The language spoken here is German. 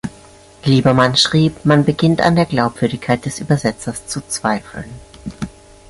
Lieberman schrieb: "man beginnt an der Glaubwürdigkeit des Übersetzers zu zweifeln.